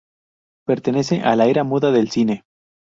Pertenece a la era muda del cine.